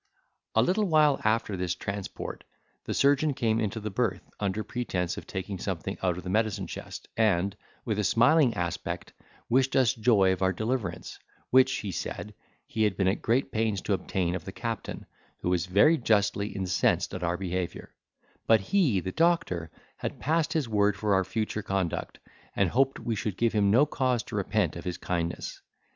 A little while after this transport the surgeon came into the birth, under pretence of taking something out of the medicine chest, and, with a smiling aspect, wished us joy of our deliverance, which, he said, he had been at great pains to obtain of the captain, who was very justly incensed at our behaviour; but he, the doctor, had passed his word for our future conduct, and he hoped we should give him no cause to repent of his kindness.